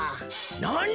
なに！？